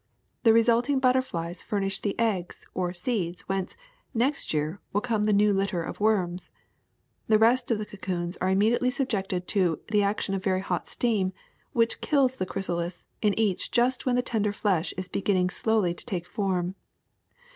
The resulting butterflies furnish the eggs or 'seeds' whence, next year, will come the new litter of worms. The rest of the cocoons are immediately subjected to the action of very hot steam, which kills the chrysalis in each just when the tender flesh is beginning slowly to take form.